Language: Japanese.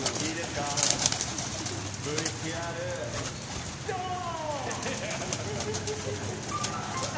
ＶＴＲ、ドーン！